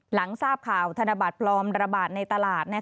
หลังทราบข่าวธนบัตรปลอมระบาดในตลาด